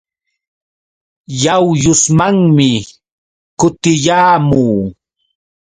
Yawyusmanmi kutiyaamuu.